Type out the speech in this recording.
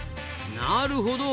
なるほど。